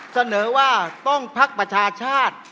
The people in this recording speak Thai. เสนอว่าต้องพักประชาชาติ